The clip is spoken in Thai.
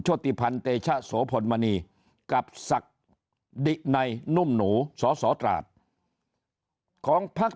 ชติพันธ์เตชะโสพลมณีกับศักดิ์ัยนุ่มหนูสสตราดของพัก